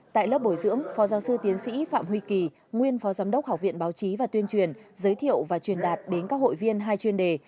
tại lớp bồi dưỡng phó giáo sư tiến sĩ phạm huy kỳ nguyên phó giám đốc học viện báo chí và tuyên truyền giới thiệu và truyền đạt đến các hội viên hai chuyên đề